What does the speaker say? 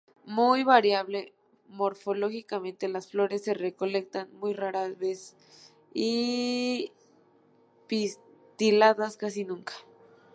Muy variable morfológicamente; las flores se recolectan muy raras veces, las pistiladas casi nunca.